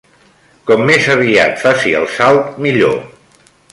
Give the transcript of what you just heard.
Com més aviat faci el salt, millor.